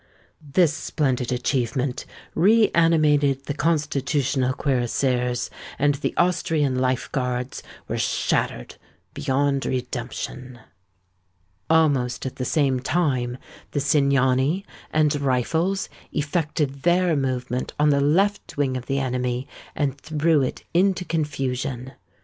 This splendid achievement re animated the Constitutional cuirassiers; and the Austrian Life Guards were shattered beyond redemption. Almost at the same time, the Cingani and rifles effected their movement on the left wing of the enemy, and threw it into confusion.